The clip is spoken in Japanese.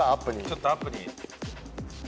ちょっとアップに。